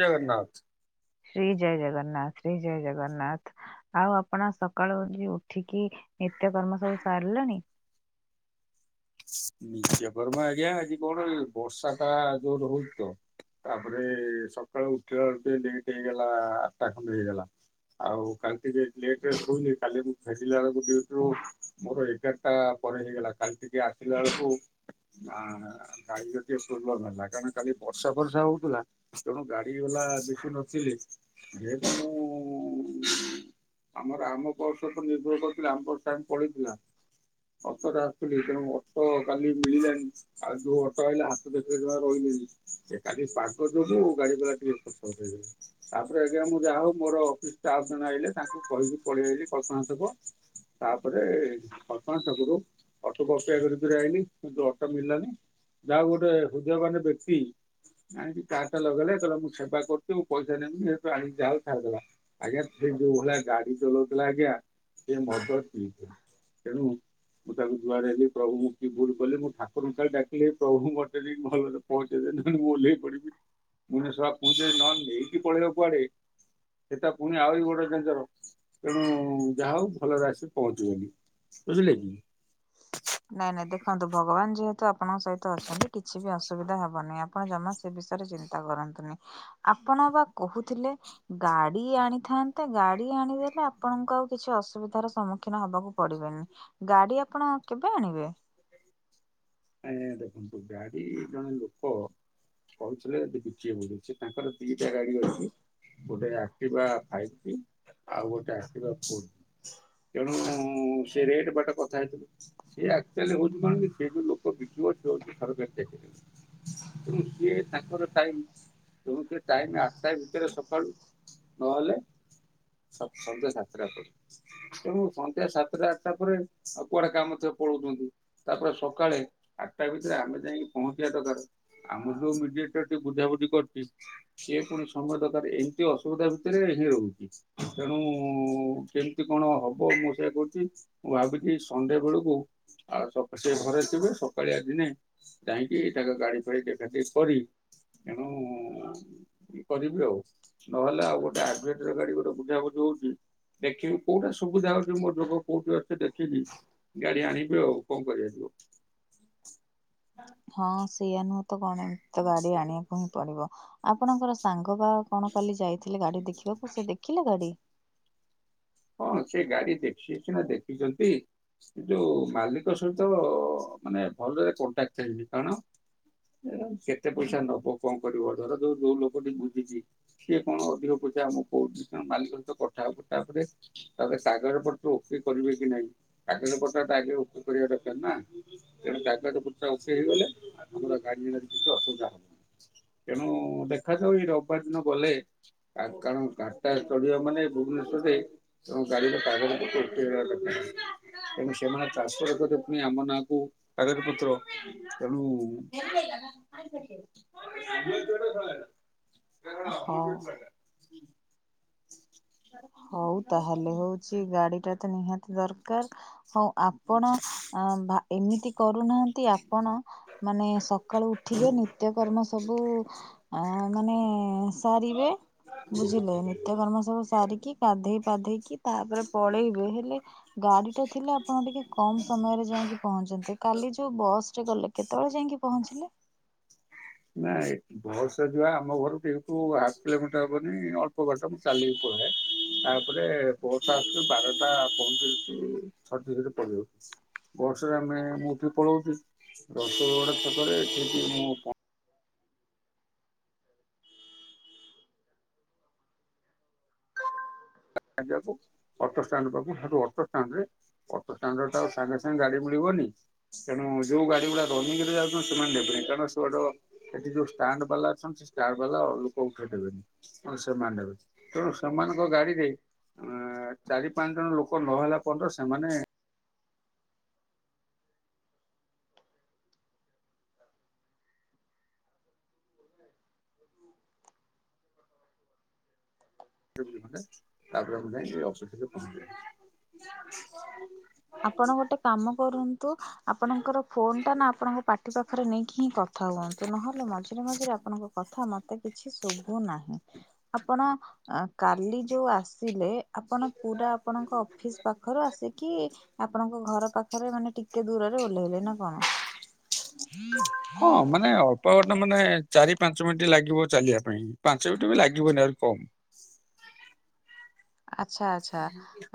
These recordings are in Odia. ଜଗନ୍ନାଥ ଶ୍ରୀ ଜୟ ଜଗନ୍ନାଥ ଶ୍ରୀ ଜୟ ଜଗନ୍ନାଥ। ଆଉ ଆପଣ ସକାଳୁ ନିଜେ ଉଠିକି ନିତ୍ୟକର୍ମ ସବୁ ସାରିଲେଣି? ନିତ୍ୟକର୍ମ ଆଜ୍ଞା ଆଜି କଣ ବର୍ଷା ଟା ଜୋର ହୋଉଛି ତ। ତାପରେ ସକାଳୁ ଉଠିଲା ବେଳକୁ ଟେ ଡେରିଟେ ହେଇଗଲା ଆଠଟା ଖଣ୍ଡେ ହେଇଗଲା। ଆଉ କାଲି ଟିକେ ଲେଟ୍ ରେ ହୋଇଲି କାଲି ମୁଁ ଫେରିଲା ବେଳକୁ ଡୟୁଟିରୁୁ ମୋର ଏଗାରଟା ପରେ ହେଇଗଲା କାଲି ଟିକେ ଆସିଲା ବେଳୁକୁ ନା ଗାଡିର ଟିକେ ପ୍ରୋବଲମ୍ ହେଲା କାଇଁ ନା କାଲି ବର୍ଷା ଫର୍ଷା ହୋଉଥିଲା। ତେଣୁ ଗାଡି ଗଲା ଦେଖି ନଥିଲି ଯେହେତୁ ମୁଁ ଆମର ଆମ ବସ୍ ରେ ତ ନିର୍ଭର କରିଥିଲା ଆମ ବସ୍ ଟା ପଳେଇଥିଲା। ଅଟୋରେ ଆସୁଥିଲି ତେଣୁ ଅଟୋ କାଲି ମିଳିଲାନି। ଆଉ ଯୋଉ ଅଟୋ ଆଇଲା ହାତ ଦେଖେଇଲି ଯମା ରହିଲେନି ଏ କାଲି ପାଗ ଯୋଗୁ ଗାଡ଼ି ବାଲା ଟିକେ ସରିବେ ତାପରେ ଆଜ୍ଞା ମୁଁ ଯାହଉ ମୋର ଅଫିସ୍‌ ଷ୍ଟାପ୍ ଜଣେ ଆଇଲେ ତାଙ୍କୁ କହିକି ପଳେଇ ଆଇଲି କଳ୍ପନା ଛକ ତାପରେ କଳ୍ପନା ଛକରୁ ଅଟକୁ ଅପେକ୍ଷା କରି ଅଟରେ ଆଇଲି କିନ୍ତୁ ଅଟୋ ମଳିଲାନି ଯାଆ ହଉ ଗୋଟେ ହୃଦୟ ମାନ ବ୍ୟକ୍ତି ଆଣିକି କାରଟା ଲଗେଇଲେ କହିଲା ମୁଁ ସେବା କରୁଚି ମୁଁ ପଇସା ନିଏନି ହେଟୁ ଆଣିକି ଯାଆ ହେଉ ଛାଡ଼ିଦେଲା। ଆଜ୍ଞା ସେଯୋଉ ଭଳିଆ ଗାଡ଼ି ଚଲଉଥିଲା ଆଜ୍ଞା। ସିଏ ମଦ ପିଇଥିଲା ତେଣୁ ମୁଁ ତାଙ୍କୁ ଜୁହାର ହେଲି ପ୍ରଭୁ ମୁ କି ଭୁଲ୍ କଲି ମୁଁ ଠାକୁରଙ୍କୁ ଡାକିଲେ ହେପ୍ରଭୁ ମତେ ଟିକେ ଭଲରେ ପହଞ୍ଚେଇଦେନେ ମୁଁ ଓହ୍ଲେଇ ପଡ଼ିବି ପଣି ସଳା ପୁଛେ ନହେନେ ନେଇକି ପଳେଇବ କୁୁଆଡ଼େ ସେଟା ପୁଣି ଆହୁରି ବଡ଼ ଡେଞ୍ଜର ତେଣୁ ଯାହା ହଉ ଭଲରେ ଆସି ପହଞ୍ଚିଗଲି ବୁଝିଲେକି? ନାଇଁ ନାଇଁ ଦେଖନ୍ତୁ ଭଗବାନ୍ ଯେହେତୁ ଆପଣଙ୍କ ସହିତ ଅଛନ୍ତି କିଛିବି ଅସୁବିଧା ହବନି ଆପ ଆପଣ ଜମା ସେବିଷୟରେ ଚିନ୍ତା କରନ୍ତୁନି ଆପଣ ବା କହୁଥିଲେ ଗାଡ଼ି ଆଣିଥାନ୍ତେ ଗାଡ଼ି ଆଣିଦେଲେ ଆପଣଙ୍କୁ ଆଉ କିଛି ଅସୁବିଧାର ସମ୍ମୁଖୀନ ହବାକୁ ପଡ଼ିବେନି। ଗାଡ଼ି ଆପଣ କେବେ ଆଣିବେ? ଆଜ୍ଞା ଦେଖନ୍ତୁ ଗାଡ଼ି ଜଣେ ଲୋକ କହୁଥିଲେ ବିକିବେ ବୋଲି ସିଏ ତାଙ୍କର ଦିଟା ଗାଡ଼ି ଅଛି ଗୋଟେ ଆକ୍ଟିବା ଫାଇବ୍ ଟି ଆଉ ଗୋଟେ ଆକ୍ଟିବା ଫୋର୍ ତେଣୁ ସେରେଟ୍ ବାଟ କଥା ହେଇଥିଲୁ ସିଏ ଆକ୍ଚୁଆଲି ହଉଚି କଣକି ସେଯୋଉ ଲୋକ ବିିକିବ ସେହଉଚି ସରକାରୀ ଚାକିରି ତେଣୁ ସିଏ ତାଙ୍କର ଟାଇମ୍ ତେଣୁ ସେଟାଇମ୍ ଆଠଟା ଭିତରେ ସକାଳୁ ନହେଲେ ସନ୍ଧ୍ୟା ସାତଟା ପରେ ତେଣୁ ସନ୍ଧ୍ୟା ସାତଟା ଆଠଟା ପରେ ଆଉ କୁଆଡ଼େ କାମ ଥିବ ପଳଉଚନ୍ତି ତାପରେ ସକାଳେ ତାଭିତରେ ଆମେ ଯାଇକି ପହଁଚିବା ଦରକାର୍ ଆମର ଯୋଉ ମିଡିୟଟରଟି ବୁଝାବୁଝି କରିଚି ସିଏ ପୁଣି ସମୟ ଦରକାର ଏମ୍‌ତି ଅସୁବିଧା ଭିତରେ ସିଏ ରହୁଚି ତେଣୁ କେହି କେମିତି କଣ ହବ ମୁଁ ସେଇଆ କହୁଚି ମୁଁ ଭାବିଥିଲି ସଣ୍ଡେ ବେଳକୁ ଆଉ ସକ୍ ସେଘରେ ଥିବେ ସ ସକାଳିଆ ଦିନେ ଯାଇକି ତାଙ୍କ ଗାଡ଼ି ଫାଡ଼ି ଦେଖାଦେଖି କରି ତେଣୁ କରିବି ଆଉ ନହେଲେ ଆଉ ଗୋଟେ ଆଡ୍‌ଭେଟର ଗାଡ଼ି ଗୋଟେ ବୁଝାବୁଝି ହଉଚି ଦେଖିବି କୋଉଟା ସୁବିଧା ହଉଚି ମୋଯୋଗ କୋଉଠି ଅଛି ଦେଖିକି ଗାଡ଼ି ଆଣିବି ଆଉ କଁ କରାଯିବ। [inaudible] ହଁ ସେଇଆ ନୁହଁତ କଣ ଏମିତିତ ଗାଡ଼ି ଆଣିବାକୁ ହିଁ ପଡ଼ିବ ଆପଣଙ୍କର ସାଙ୍ଗବା କଣ କାଲି ଯାଇଥିଲେ ଗାଡ଼ି ଦେଖିବାକୁ ସେଦେଖିଲେ ଗାଡ଼ି? ହଁ ସେଗାଡ଼ି ଦେଖିଚିନା ଦେଖିଚନ୍ତି। ସେଯୋଉ ମାଲିକ ସହିତ ମାନେ ଭଲରେ କଣ୍ଟାକ୍ଟ ହେଇନି କାରଣ ଏ କେତେ ପଇସା ନବ କଁ କରିବ ଧର ଯୋଉ ଯୋଉ ଲୋକଟି ବୁଝିଚି ସିଏ କଣ ଅଧିକ ପଇସା ଆମକୁ କଉଚି ତାଙ୍କ ମାଲିକ ସହିତ କଥାହବୁ ତାପରେ ତାପରେ କାଗଜ ପତ୍ର ଓକେ କରିବେକି ନାଇଁ କାଗଜ କଥାଟା ଆଗେ ଓକେ କରିବା ଦରକାରନା। ତେଣୁ କାଗଜ ପତ୍ର ଓକେ ହେଇଗଲେ ଆମର ଗାଡ଼ିରେ କିଛି ଅସୁବିଧା ହବନି। ତେଣୁ ଦେଖାଯାଉ ଏରବିବାର ଦିନ ଗଲେ କାରଣ ଗାଡ଼ିଟା ଚଢ଼ିବା ମାନେ ଭୁବନେଶ୍ୱରରେ ତମ ଗାଡ଼ିରେ କାଗଜ ପତ୍ର [unintelligible] ଦରକାର୍। ତେଣୁ ସେମାନେ ଚାଷ କରିବା ପୁଣି ଆମ ନାଁକୁ ଆଗର ପୁତ୍ର ତେଣୁ [unintelligible] ହଉ ହଉ ତାହେଲେ ହଉଛି ଗାଡି ଟା ତ ନିହାତି ଦରକାର, ହଉ ଆପଣ ଅ ଏମିତି କରୁନାହାନ୍ତି ଆପଣ ମାନେ ସକାଳୁ ଉଠିବେ ନିତ୍ୟକର୍ମ ସବୁ ଆ ମାନେ ସାରିବେ ବୁଝିଲେ ନିତ୍ୟକର୍ମ ସବୁ ସାରିକି। ଗାଧେଇ ପାଧେଇକି ତାପରେ ପଳେଇବେ ହେଲେ ଗାଡି ଟା ଥିଲେ ଆପଣ ଟିକେ କମ ସମୟରେ ଯାଇକି ପହଞ୍ଚନ୍ତେ କାଲି ଯୋଉ ବସ୍ ଯେ ଗଲେ କେତେବେଳେ ଯାଇଁକି ପହଞ୍ଚିଲେ? ନା ଭଲସ ଯୁଆ ଆମ ଘର ଟୁ ଏଇଟୁ ଆଠ କିଲୋମିଟର ହବନି ଅଳ୍ ପ ବାଟ ମୁଁ ଚାଲିକି ପଳାଏ। ତାପରେ ବସ ଆସଚି ବାରଟା ପଇନ୍ତିରିସ ରୁ [unintelligible] ବସରେ ଆମେ ମୁଁଠି ପଳଉଛି ଦଶ ଗଡ ଛକରେ ଏଠି ମୁଁ ଅଟୋଷ୍ଟାଣ୍ଡ ପାକଠୁ ଅଟୋଷ୍ଟାଣ୍ଡ ରେ ଅଟୋ ଷ୍ଟାଣ୍ଡ ର ସାଙ୍ଗେ ସାଙ୍ଗେ ଗାଡି ମିଳିବନି ତେଣୁ ଯୋଉ ଗାଡି ଗୁଡା ରନିରେ ଯାଉଛନ୍ତି ସେମାନେ ନେବେନି କାରଣ ସେବାଟ ସେଠି ଯୋଉ ଷ୍ଟାଣ୍ଡ ବାଲା ଅଛନ୍ତି ସେ ଷ୍ଟାଣ୍ଡ ବାଲା ଲୋକ ଉଠଦେବେନି ମାନେ ସେମାନେ ନେବେ। ତେଣୁ ସେମାନଙ୍କ ଗାଡିରେ ଅ ଚାରି ପାଞ୍ଚ ଜଣ ଲୋକ ନହେଲା ପର୍ଯ୍ୟ ନ୍ତ ସେମାନେ [unintelligible] ତାପରେ ଆମେ ଯାଇ [unintelligible] ଆପଣ ଗୋଟେ କାମ କରନ୍ତୁ ଆପଣଙ୍କର ଫୋନ ଟା ନା ଆପଣଙ୍କ ପା ଟି ପାଖରେ ନେଇକି ହିଁ କଥା ହୁଅନ୍ତୁ ନହେଲେ ମଝିରେ ମଝିରେ ଆପଣଙ୍କ କଥା ମତେ କିଛି ଶୁଭୁ ନାହିଁ। ଆପଣ କାଲି ଯୋଉ ଆସିଲେ ଆପଣ ପୁରା ଆପଣଙ୍କ ଅଫିସ ପାଖରୁ ଆସିକି ତାଙ୍କ ଘର ପାଖରେ ମାନେ ଟିକେ ଦୂରରେ ଓଲ୍ହେଇଲେ ଇଲେ ନା କଣ? ହଁ ମାନେ ଅ ପ ବାଟ ମାନେ ଚାରି ପାଞ୍ଚ ମିନିଟ ଲାଗିବ ଚାଲିବା ପାଇଁ ପାଞ୍ଚ ମିନିଟ୍ ବି ଲାଗିବନି ଆହୁରି କମ୍। ଆଚ୍ଛା ଆଚ୍ଛା,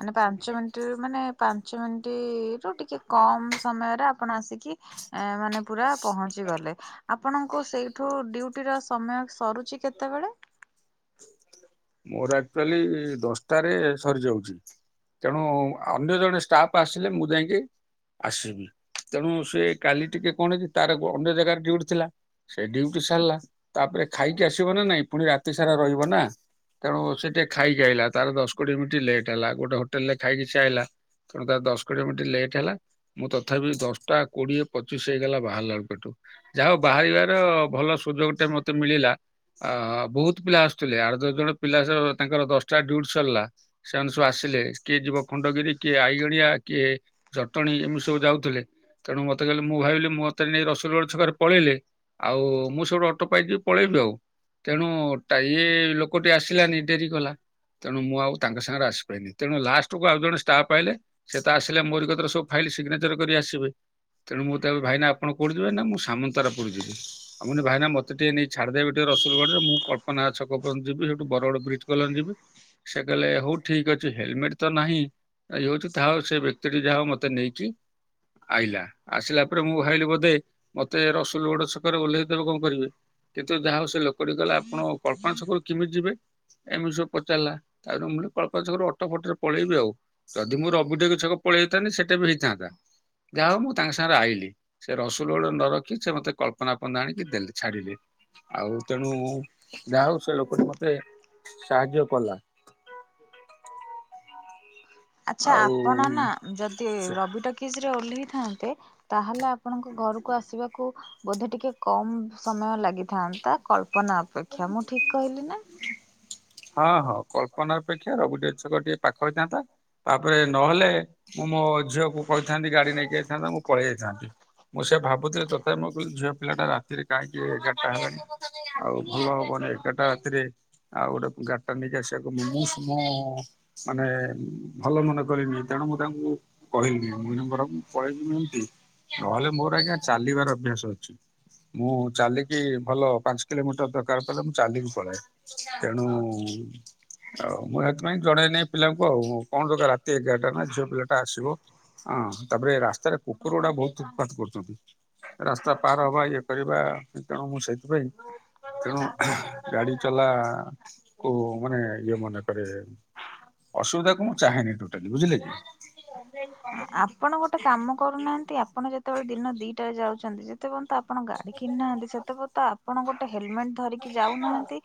ମାନେ ପାଞ୍ଚ ମିନି ମାନେ ପାଞ୍ଚ ମିନିଟରୁୁ ଟିକେ କମ୍ ସମୟରେ ଆପଣ ଆସିକି ଏ ମାନେ ପୁରା ପହଞ୍ଚ ଞ୍ଚି ଗଲେ ଆପଣଙ୍କୁ ସେଇଠୁ ଡ୍ୟୁଟିର ସମୟ ସରୁଛି କେତେବେଳେ? ମୋର ଆକ୍ଚୁଆଲି ଦଶଟାରେ ସରିଯାଉଛି। ତେଣୁ ଅନ୍ୟ ଜଣେ ଷ୍ଟାଫ୍ ଆସିଲେ ମୁଁ ଯାଇକି ଆସିବି ତେଣୁ ସେ କାଲି ଟିକେ କଣ କି ତାର ଅନ୍ୟ ଜାଗାରେ ଡିଉଟି ଥିଲା। ସେ ଡିଉଟି ସାରିଲା ତାପରେ ଖାଇକି ଆସିବ ନା ନାଇଁ ପୁଣି ରାତି ସାରା ରହିବ ନା। ତେଣୁ ସେ ଟିକେ ଖାଇକି ଆଇଲା ତାର ଦଶ କୋଡିଏ ମିନି୍ ଲେଟ୍ ହେଲା ଗୋଟେ ହୋଟେଲ ରେ ଖାଇକି ଆଇଲା। ତେଣୁ ତା ଦଶ କୋଡ଼ିଏ ମିନିଟ ଲେଟ୍ ହେଲା ମୁଁ ତ ତଥାପି ଦଶଟା କୋଡିଏ ପଚିଶ ହେଇଗଲା ବାହାରିଲାକୁଏଠୁ। ଯାହାଉ ବାହାରିବାର ଭଲ ସୁଯୋଗ ଟେ ମତେ ମିଳିଲା। ଅ ବହୁତ ପିଲା ଆସୁଥିଲେ ଆଡ ଦଶ ଜଣ ପିଲା ତାଙ୍କର ଦଶଟା ଡିଉଟି ସରିଲା। ସେମାନେ ସବୁ ଆସିଲେ କିଏ ଯିବ ଖଣ୍ଡଗିରି କିଏ ଆଇଗଣିଆ କିଏ ଜଟଣୀ ଏମିତି ସବୁ ଯାଉଥିଲେ ତେଣୁ ମତେ କହିଲେ ମୁଁ ଭାବିଲି ମୁଁ ମତେ ନେଇ ରସୁଲଗଡ ଛକରେ ପଳେଇଲେ। ଆଉ ମୁଁ ସେ ଟୁ ଅଟୋ ପାଇକି ପଳେଇବି ଆଉ ତେଣୁ ଟା ଇଏ ଲୋକ ଆସିଲାନି ଡେରି କଲା ତେଣୁ ମୁଁ ଆଉ ତାଙ୍କ ସାଙ୍ଗରେ ଆସିପାରିନି ତେଣୁ ଲାଷ୍ଟ କ ଆଉ ଜଣେ ଷ୍ଟାଫ୍ ଆଇଲେ। ସେ ତ ଆସିଲେ ମୋରିକତିର ସବୁ ଫାଇଲ ସିଗ୍ନେଚର କରି ଆସିବେ। ତେଣୁ ମୁଁ ତେବେ ଭାଇନା ଆପଣ କୋଉଠିିକି ଯିବେ ନା ମୁଁ ସାମନ୍ତାର ପୁର ଯିବି। ଆଉ ମାନେ ଭାଇନା ମତେ ଟିକେ ନେଇ ଛାଦେବେ ଟିକେ ରସୁଲଗଡରେ ମୁଁ କଳ୍ପନା ଛକ ପର୍ଯ୍ୟନ୍ତ ଯିବି। ବଡ ଗଡ଼ ବ୍ରିଟ କଲୋନୀ ଯିବି ସେ କହିଲେ ହଉ ଠିକ ଅଛି ହେଲମେଟ ତ ନାହିଁ। ଏଇ ହଉଛି ତାହା ହଉ ସେ ବ୍ୟକ୍ତିଟି ଯାହା ହଉ ମତେ ନେଇକି ଆଇଲା ଆସିଲା ପରେ ମୁଁ ଭାବିଲି ବୋଧେ ମତେ ରସୁଲଗଡ ଛକରେ ଓହ୍ଲେଇଦବେ କଣ କରିବେ କିନ୍ତୁ ଯାହା ହଉ ସେ ଲୋକ ଲୋକଟି କହିଲା ଆପଣ କଳ୍ପନା ଛକରୁ କେମିତି ଯିବେ? ଏମିତି ସବୁ ପଚାରିଲା ତାପରେ ମୁଁ କଳ୍ପନା ଛକରୁ ଅଟ ଫଟ ରେ ପଳେଇବି ଆଉ ଯଦି ମୁଁ ରବି ଟକିସ ଛକ ପଳେଇ ହେଇଥାନ୍ତେ ସେଇଟା ବି ହେଇଥାନ୍ତା ଯାହା ହଉ ମୁଁ ତାଙ୍କ ସାଙ୍ଗରେ ଆଇଲି। ସେ ରସୁଲଗଡ ନ ରଖି ସେ ମତେ କଳ୍ପନା ପର୍ଯ୍ୟନ୍ତ ଆଣିକି ଦେଲେ ଛାଡିଲେ। ଆଉ ତେଣୁ ଯାହା ହଉ ସେ ଲୋକଟି ମତେ ସାହାଯ୍ୟ କଲା। ଆଛା ଆଉ ଆପଣ ନା ଯଦି ସେ ରବି ଟକିଜ ରେ ଓହ୍ଲେଇ ଥାନ୍ତେ ତାହେଲେ ଆ ଆପଣଙ୍କ ଘରକୁ ଆସିବାକୁ ବୋଧେ ଟିକେ କମ ସମୟ ଲାଗିଥାନ୍ତା କଳ୍ପନା ଅପେକ୍ଷା ମୁଁ ଠିକ୍ କହିଲି ନା? ହଁ ହଁ କଳ୍ପନା ଅପେକ୍ଷା ରବି ଟକିଜ ଛକ ଟିକେ ପାଖ ହେଇଥାନ୍ତା। ତାପରେ ନହେଲେ ମୁଁ ମୋ ଝିଅକୁ କହିଥାନ୍ତି ଗାଡି ନେଇକି ଯାଇଥାନ୍ତା ମୁଁ ପଳେଇ ଯାଇଥାନ୍ତି ମୁଁ ସେୟା ଭାବୁଥିଲି ତଥାପି ମୁଁ କହିଲି ଝିଅ ପିଲାଟା ରା ରାତିରେ କାହିଁକି ଏଗାରଟା ହେଲାଣି ଆଉ ଭଲ ହବନି ଏଗାରଟା ଏଥିରେ ଆଉ ଗୋଟେ ଗାଡିଟା ନେଇକି ଆସିବାକୁ ମୁଁ ମାନେ ଭଲ ମନେ କରିନି ତେଣୁ ମୁଁ ତାଙ୍କୁ କହିଲିିନି ମଇନାଙ୍କର ମୁଁ ପଳେଇବି ଏମତି ନହେଲେ ମୋର ଆଜ୍ଞା ଚାଲିବାର ଅଭ୍ୟାସ ଅଛି। ମୁଁ ଚାଲିକି ଭଲ ପାଞ୍ଚ କିଲୋମିଟର ଦରକାର ପଡିଲେ ମୁଁ ଚାଲିକି ପଳାଏ। ତେଣୁ ହୁଁ ଆଉ ମୁଁ ସେଥିପାଇଁ ଜଣେଇ ନାହିଁ ପିଲାଙ୍କୁ ଆଉ କଣ ଦା ରାତି ଏଗାରଟା ନା ଝିଅ ପିଲା ଆସିବ ହଁ ତାପରେ ରାସ୍ତାରେ କୁକୁର ଗୁଡା ବହୁତ ଉତ୍ପାତ କରୁଛନ୍ତି। ରାସ୍ତା ପାର ହବା ଇଏ କରିବା ତେଣୁ ମୁଁ ସେ ସେଥିପାଇଁ ତେଣୁ ଗାଡି ଚଲା କ ମାନେ ଇଏ ମନେକରେ ଅସୁବିଧା କ ମୁଁ ଚାହଁନି ଟୋଟାଲି ବୁଝିଲେ କି? ଆପଣ ଗୋଟେ କାମ କରୁନାହାନ୍ତି ଆପଣ ଯେତେବେଳେ ଦିନ ଦିଟାରେ ଯାଉଛନ୍ତି। ସେତେ ପର୍ଯ୍ୟନ୍ତ ଆପଣ ଗାଡ଼ି କିଣିନାହାନ୍ତି ସେତେ ପର୍ଯ୍ୟତ ଆପଣ ଗୋଟେ ହେଲମେଟ୍ ଧରିକି ଯାଉନାହାନ୍ତି।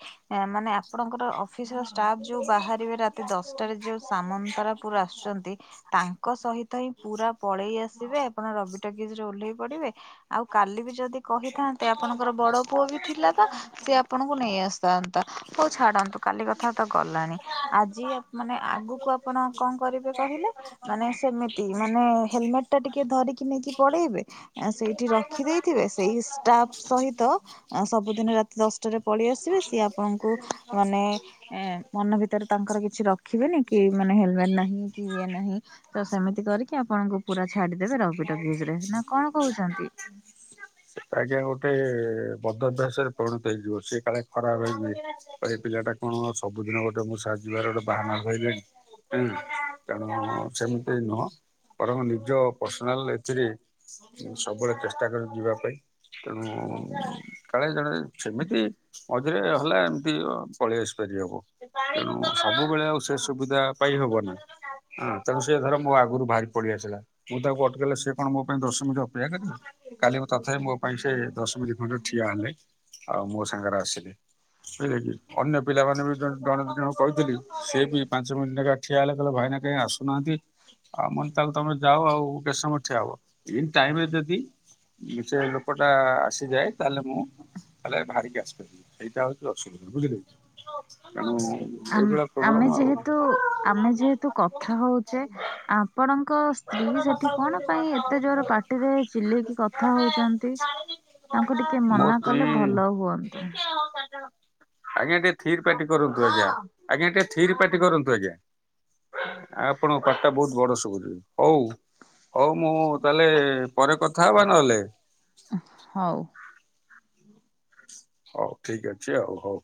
ମାନେ ଆପଣଙ୍କର ଅଫିସ ର ଷ୍ଟାଫ୍ ଯୋଉ ବାହାରିବେ ରାତି ଦଶ ଯୋଉ ସାମନ୍ତରାପୁର ଆସୁଛନ୍ତି ତାଙ୍କ ସହିତ ହିଁ ପୁରା ପଳେଇ ଆସିବେ। ଆପଣ ରବି ଟକିିଜରେ ଓହ୍ଲେଇ ପଡିବେ। ଆଉ କାଲି ବି ଯଦି କହିଥାନ୍ତେ ଆପଣଙ୍କର ବଡ ପୁଅ ବି ଥିଲା ତ ସିଏ ଆପଣଙ୍କୁ ନେଇ ଆସିଥାନ୍ତେ। ହଉ ଛାଡନ୍ତୁ କାଲି କଥା ତ ଗଲାଣି ଆଜି ଆଉ ମାନେ ଆଗକୁ ଆପଣ କଣ କରିବେ କହିଲେ? ମାନେ ସେମିତି ମାନେ ହେଲମେଟ ଟା ଟିକେ ଧରିକି ନେଇକି ପଳେଇବେ। ସେଇଠି ରଖିଦେଇଥିବେ ସେଇ ଷ୍ଟାଫ ସହିତ ସବୁଦିନ ରାତି ଦଶଟାରେ ପଳେଇ ଆସିବେ ସିଏ ଆପଣଙ୍କ ମାନେ ଏ ମନ ଭିତରେ ତାଙ୍କର କିଛି ର ଦେଖିବେନି କି ମାନେ ହେଲମେଟ ନାହିଁ କି ଇଏ ନାହିଁ ତ ସେମିତି କରି କି ଆପଣଙ୍କୁ ପୁରା ଛାଡିଦେବେ ରବି ଟକିଜରେ ନା କଣ କହୁଛନ୍ତି? ଆଜ୍ଞା ଗୋଟେ ବଦଅଭ୍ୟାସରେ ପରିଣତ ହେଇଯିବ ସେଏ କାଳେ ଖରାପ ହେଇଯିବ। ଏ ପିଲାଟା କଣ ସବୁଦିନ ଗୋଟେ ମୋ ସାଙ୍ଗରେ ଯିବାର ଗୋଟେ ବାହାନା ଧହିଲାଣି। ହୁଁ ତେଣୁ ସେମିତି ନୁହଁ। ବରଂ ନିଜ ପର୍ସନାଲ୍ ଏଥିରେ ମୁଁ, ସବୁବେଳେ ଚେଷ୍ଟା କରେ ଯିବା ପାଇଁ, ତେଣୁ କାଳେ ଜଣେ ସେମିତି ମଝିରେ ହଲା ଏମିତି ଅ, ପଳେଇ ଆସି ପାରିହବ। ତେଣୁ ସବୁବେଳେ ଆଉ ସେ ସୁବିଧା ପାଇଁ ହବ ନା, ଆଁ, ତେଣୁ ସିଏ ଧର ମୁଁ ଆଗରୁ ବାହାରି ପଳିଆସିଲା, ମୁଁ ତାକୁ ଅଟକେଇଲେ ସିଏ କଣ ମୋ ପାଇଁ ଦଶ ମିନିଟ୍ ଅପେକ୍ଷା କରିବେ। କାଲି ମୁଁ ତଥାପି ମୋ ପାଇଁ ସେ ଦଶମିନିଟ୍ ଖଣ୍ଡେ ଠିଆ ହେଲେ, ଆଉ ମୋ ସାଙ୍ଗରେ ଆସିଲେ। ସେ କି ଅନ୍ୟ ପିଲାମାନେ ବି ତ ଜଣେ ଦିଜଣ କୁ କହିଥିଲି ସିଏ ବି ପାଞ୍ଚ ମିନଟ୍ ନେଖା ଠିଆ ହେଲେ କହିଲେ ଭାଇନା କାହିଁକି ଆସୁନାହାନ୍ତି। ଆଉ [unintelligible] ତାହେଲେ ତୋମେ ଯାଅ ଆଉ କେସ ସମୟ ଠିଆ ହବ, ଠିକ ଟାଇମ୍ ରେ ଯଦି ଏ ସେ ଲୋକ ଟା ଆସିଯାଏ ତାହେଲେ ମୁଁ ତାହେଲେ ବାହାରିକି ଆସିପାରି ସେଇଟା ହଉଛି ଅସୁବିଧା ବୁଝିଲେକି। ତେଣୁ ଆମ୍ ଏଇଭଳିଆ ଆମେ ପ୍ରୋବ୍ଲେମ ଆଉ। ଯେହେତୁ ଆମେ ଯେହେତୁ କଥା ହଉଛେ ଆ ପଣଙ୍କ ସ୍ତ୍ରୀ ସେଠି କଣ ପାଇଁ ଏତେ ଜୋର ପାଟିରେ ଚିଲେଇକି କଥା ହଉଛନ୍ତି? ତାଙ୍କୁ ଟିକେ ମୋ ମନା ସ୍ତ୍ରୀ କଲେ ଭଲ ହୁଅନ୍ତା। ଆଜ୍ଞା ଟିକେ ଥିରି ପାଟି କରନ୍ତୁ ଆଜ୍ଞା। ଆଜ୍ଞା ଟିକେ ଥିରି ପାଟି କରନ୍ତୁ ଆଜ୍ଞା। ଆପଣଙ୍କ ପାଟିଟା ବହୁତ ବଡ ଶୁଭୁଛି। ହଉ ହଉ ମୁଁ ତାହେଲେ ପରେ କଥା ହେବା ନହେଲେ। ହଉ। ହଉ ଠିକ ଅଛି ଆଉ ହଉ।